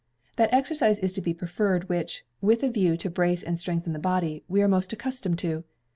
That exercise is to be preferred which, with a view to brace and strengthen the body, we are most accustomed to.